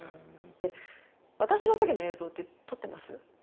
で私の時の映像って撮ってます？